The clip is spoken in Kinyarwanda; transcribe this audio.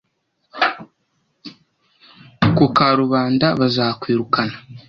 ku karubanda bazakwirukana